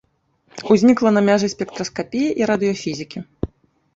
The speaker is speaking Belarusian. Узнікла на мяжы спектраскапіі і радыёфізікі.